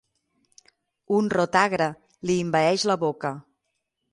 Un rot agre li envaeix la boca.